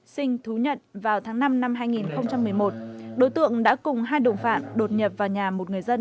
sinh thú nhận vào tháng năm năm hai nghìn một mươi một đối tượng đã cùng hai đồng phạm đột nhập vào nhà một người dân